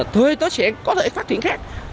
thuê đó sẽ có thể phát triển khác